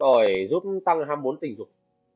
tỏi giúp tăng ham muốn tình dục